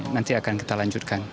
nanti akan kita lanjutkan